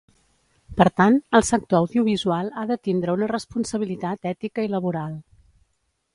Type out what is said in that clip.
Per tant, el sector audiovisual ha de tindre una responsabilitat ètica i laboral.